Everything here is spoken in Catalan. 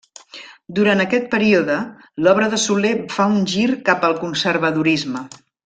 Durant aquest període, l'obra de Soler fa un gir cap al conservadorisme.